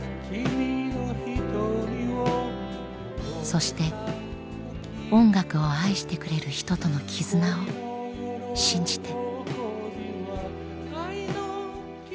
そして音楽を愛してくれる人との絆を信じて。